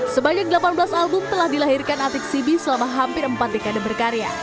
sebanyak delapan belas album telah dilahirkan atik sibi selama hampir empat dekade berkarya